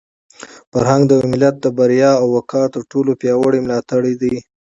فرهنګ د یو ملت د بریا او د وقار تر ټولو پیاوړی ملاتړی دی.